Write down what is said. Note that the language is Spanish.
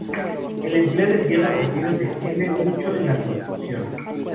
El empleo del hierro fundido se extiende mucho en la construcción.